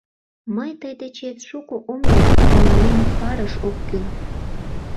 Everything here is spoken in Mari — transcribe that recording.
— Мый тый дечет шуко ом йод, мыланем парыш ок кӱл.